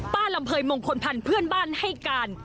ลำเภยมงคลพันธ์เพื่อนบ้านให้การ